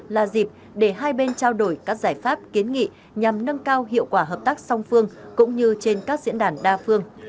là dịp để hai bên trao đổi các giải pháp kiến nghị nhằm nâng cao hiệu quả hợp tác song phương cũng như trên các diễn đàn đa phương